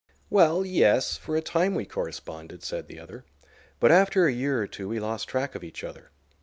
"Well, yes, for a time we corresponded," said the other. "But after a year or two we lost track of each other.